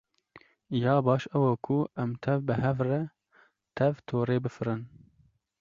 Ya baş ew e ku em tev bi hev re tev torê bifirin.